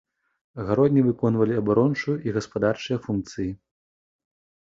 Гародні выконвалі абарончую і гаспадарчыя функцыі.